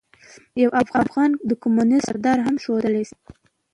د يوافغان کميونسټ کردار هم ښودلے شي.